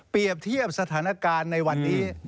เปรียบเทียบสถานการณ์ในวันนี้